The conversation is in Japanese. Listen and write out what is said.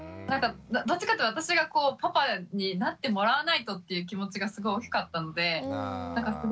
どっちかというと私がこうパパになってもらわないとっていう気持ちがすごい大きかったのでなんか